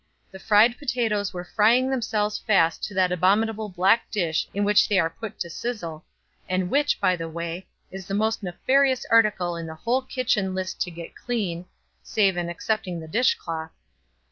The fried potatoes were frying themselves fast to that abominable black dish in which they are put to sizzle, and which, by the way, is the most nefarious article in the entire kitchen list to get clean (save and excepting the dish cloth).